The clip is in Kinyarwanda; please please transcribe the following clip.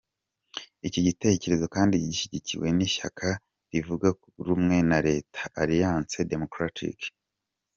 Iki gitekerezo kandi gishyigikiwe n’ishyaka ritavuga rumwe na Leta, Alliance Démocratique.